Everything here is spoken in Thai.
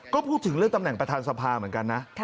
ก็พูดถึงเรื่องตำแหน่งประธานสภาเหมือนกันนะ